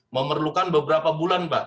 memerlukan beberapa bulan